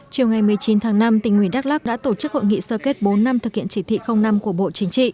chiều ngày một mươi chín tháng năm tỉnh ủy đắk lắc đã tổ chức hội nghị sơ kết bốn năm thực hiện chỉ thị năm của bộ chính trị